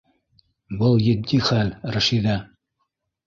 Был етди хәл, Рәшиҙә.